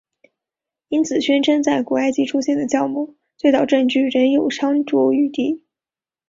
因此宣称在古埃及出现的酵母最早证据仍有商酌余地。